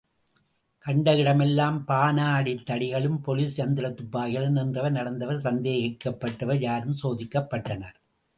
கண்ட இடமெல்லாம் பாணாத்தடிகளும் போலிஸ் இயந்திரத்துப்பாக்கிகளும் நின்றவர், நடந்தவர், சந்தேகிக்கப்பட்டவர், யாரும் சோதிக்கப்பட்டனர்.